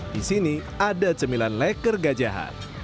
di sini ada cemilan leker gajahan